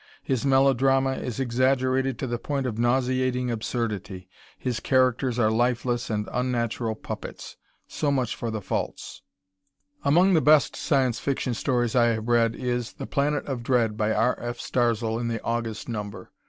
His melodrama is exaggerated to the point of nauseating absurdity. His characters are lifeless and unnatural puppets. So much for the faults. Among the best Science Fiction stories I have read is "The Planet of Dread," by R. F. Starzl in the August number.